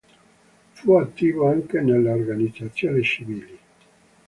Fu attivo anche nelle organizzazioni civili.